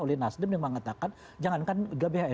aduhanlah pengamatan orang usia